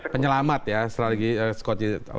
penyelamat ya strategi skocie